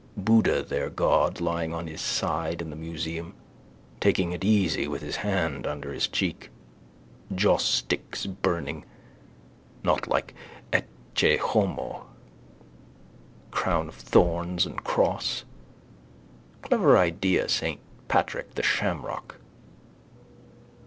Buddha their god lying on his side in the museum. Taking it easy with hand under his cheek. Josssticks burning. Not like Ecce Homo. Crown of thorns and cross. Clever idea Saint Patrick the shamrock.